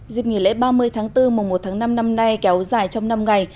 dịp nghỉ lễ ba mươi tháng bốn mùa một tháng năm năm nay kéo dài trong năm ngày